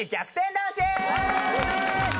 男子！